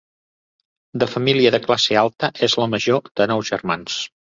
De família de classe alta, és la major de nou germans.